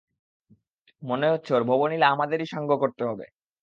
মনে হচ্ছে ওর ভবনিলা আমাদেরই সাঙ্গ করতে হবে।